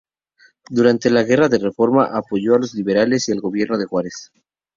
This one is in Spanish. Durante la Guerra de Reforma apoyó a los liberales y al gobierno de Juárez.